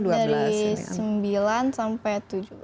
dari sembilan sampai tujuh